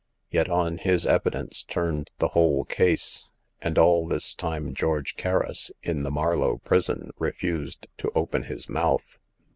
Yet on his evi dence turned the whole case. And all this time George Kerris, in the Marlow prison, refused to open his mouth.